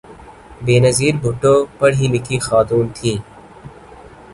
بینظیر بھٹو پڑھی لکھی خاتون تھیں۔